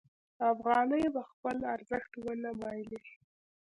افغانۍ به خپل ارزښت ونه بایلي.